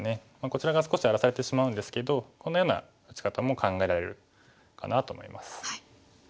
こちらが少し荒らされてしまうんですけどこのような打ち方も考えられるかなと思います。